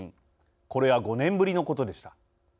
これは５年ぶりのことでした。